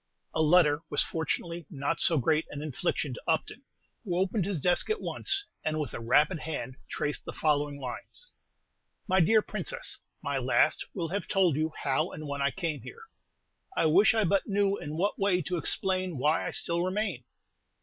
A letter was fortunately not so great an infliction to Upton, who opened his desk at once, and with a rapid hand traced the following lines: Mv dear Princess, My last will have told you how and when I came here; I wish I but knew in what way to explain why I still remain!